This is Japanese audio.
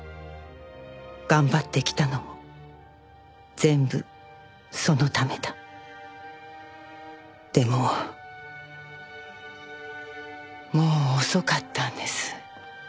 「頑張ってきたのも全部そのためだ」でももう遅かったんです。